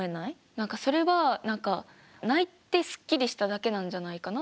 何かそれは泣いてスッキリしただけなんじゃないかな。